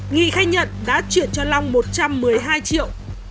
nghị khai nhận đã chuyển cho long một trăm một mươi hai triệu